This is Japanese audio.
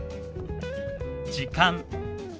「時間」。